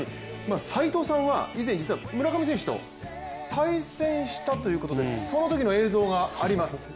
斎藤さんは実は以前、村上選手と対戦したということでそのときの映像があります。